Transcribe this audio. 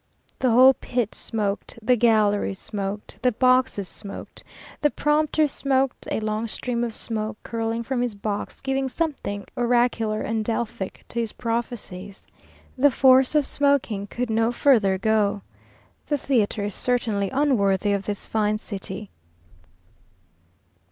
The whole pit smoked, the galleries smoked, the boxes smoked, the prompter smoked, a long stream of smoke curling from his box, giving something oracular and Delphic to his prophecies. "The force of smoking could no further go." The theatre is certainly unworthy of this fine city.